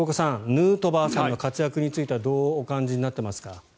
ヌートバーさんの活躍についてはどうお感じになっていますか？